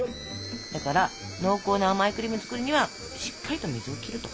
だから濃厚な甘いクリーム作るにはしっかりと水を切ると。